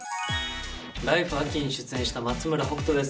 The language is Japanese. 「ＬＩＦＥ！秋」に出演した松村北斗です。